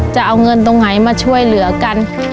จะเอาเงินตรงไหนมาช่วยเหลือกัน